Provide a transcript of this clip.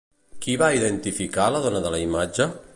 Qui va identificar la dona de la imatge?